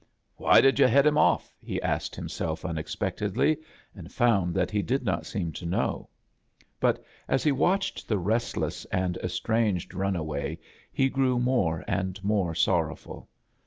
" Why did yu' head him off ?" he asked himself, unexpectedly, and found that he did not seem to know; but as he watched the restless and estranged run away he grew more and more sorrowful.